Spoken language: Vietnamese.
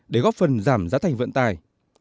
để góp phần giảm giá thành vận tài